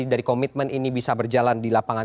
dari komitmen ini bisa berjalan di lapangan